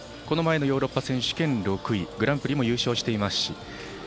この前のヨーロッパ選手権６位グランプリも優勝しています。